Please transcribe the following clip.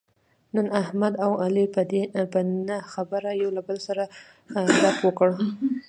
نن احمد او علي په نه خبره یو له بل سره کړپ وکړ.